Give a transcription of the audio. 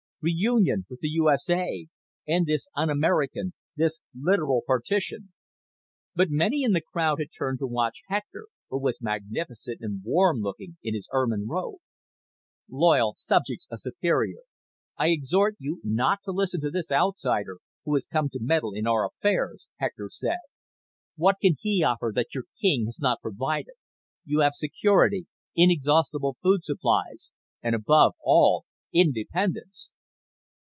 "... reunion with the U. S. A. ... end this un American, this literal partition ..." But many in the crowd had turned to watch Hector, who was magnificent and warm looking in his ermine robe. "Loyal subjects of Superior, I exhort you not to listen to this outsider who has come to meddle in our affairs," Hector said. "What can he offer that your king has not provided? You have security, inexhaustible food supplies and, above all, independence!"